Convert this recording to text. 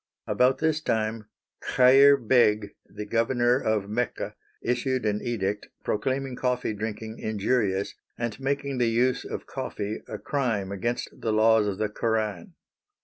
About this time Chair Beg, the governor of Mecca, issued an edict proclaiming coffee drinking injurious and making the use of coffee a crime against the laws of the Koran.